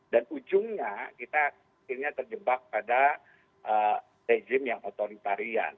dan ujungnya kita akhirnya terjebak pada rejim yang otoritarian